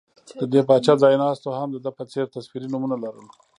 د دې پاچا ځایناستو هم د ده په څېر تصویري نومونه لرل